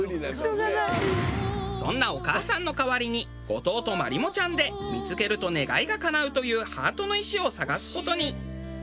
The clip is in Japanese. そんなお母さんの代わりに後藤とまりもちゃんで見付けると願いが叶うというハートの石を探す事に。